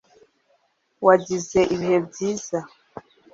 wagize ibihe byiza